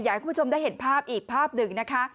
ให้คุณผู้ชมได้เห็นภาพอีกภาพหนึ่งนะคะ